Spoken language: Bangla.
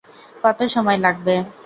কত সময় লাগবে?